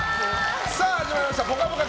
始まりました「ぽかぽか」